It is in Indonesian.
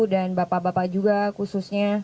dan bapak bapak juga khususnya